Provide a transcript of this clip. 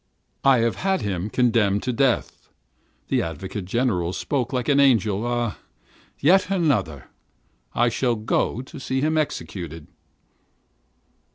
I have had him condemned to death! Ah! ah! The advocate general spoke like an angel! Ah! ah! Yet another! I shall go to see him executed!